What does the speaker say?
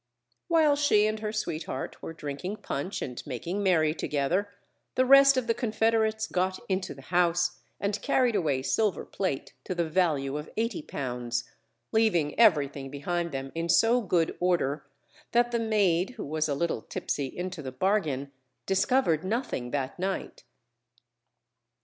While she and her sweetheart were drinking punch and making merry together, the rest of the confederates got into the house and carried away silver plate to the value of £80, leaving everything behind them in so good order that the maid, who was a little tipsy into the bargain, discovered nothing that night.